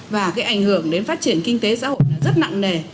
và cái ảnh hưởng đến phát triển kinh tế xã hội rất nặng nề